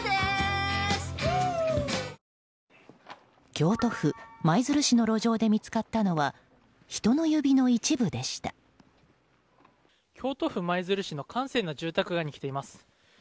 京都府舞鶴市の路上で見つかったのは京都府舞鶴市の閑静な住宅街に来ています。